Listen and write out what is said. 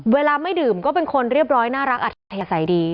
เวลาไม่ดื่มก็เป็นคนเรียบร้อยน่ารักอัธยาศัยดี